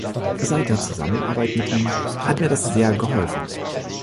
Seit der Zusammenarbeit mit ihm hat mir das sehr geholfen.